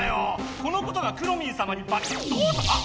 このことがくろミンさまにバレたらどうするあっ。